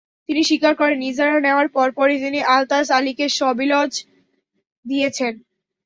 তিনি স্বীকার করেন, ইজারা নেওয়ার পরপরই তিনি আলতাজ আলীকে সাবিলজ দিয়েছেন।